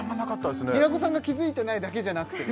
平子さんが気づいてないだけじゃなくて？